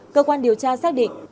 cơ quan điều tra xác định